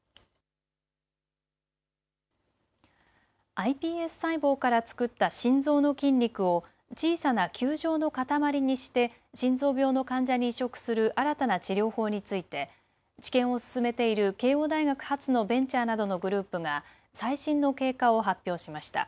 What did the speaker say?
ｉＰＳ細胞から作った心臓の筋肉を小さな球状の塊にして心臓病の患者に移植する新たな治療法について治験を進めている慶応大学発のベンチャーなどのグループが最新の経過を発表しました。